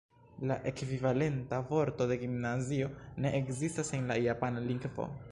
La ekvivalenta vorto de "gimnazio" ne ekzistas en la Japana lingvo.